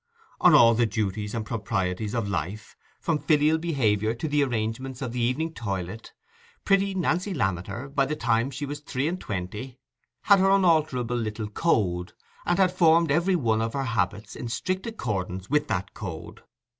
On all the duties and proprieties of life, from filial behaviour to the arrangements of the evening toilette, pretty Nancy Lammeter, by the time she was three and twenty, had her unalterable little code, and had formed every one of her habits in strict accordance with that code.